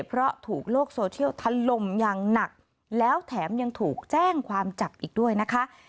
เพราะถูกโลกโซเชียลทะลมอย่างหนักแล้วแถมยังถูกแจ้งความจับอีกด้วยนะคะ